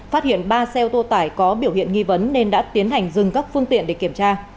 phát hiện ba xe ô tô tải có biểu hiện nghi vấn nên đã tiến hành dừng các phương tiện để kiểm tra